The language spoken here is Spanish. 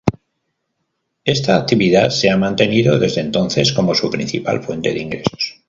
Esta actividad se ha mantenido desde entonces como su principal fuente de ingresos.